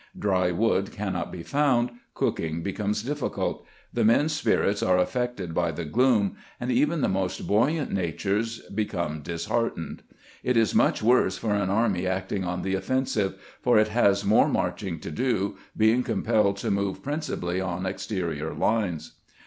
Dry wood cannot be found ; cooking becomes difficult ; the men's spirits are affected by the gloom, and even the most buoyant natures be come disheartened. It is much worse for an army act ing on the offensive, for it has more marching to do, being compelled to move principally on exterior lines.